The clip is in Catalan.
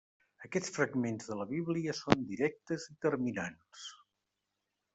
Aquests fragments de la Bíblia són directes i terminants.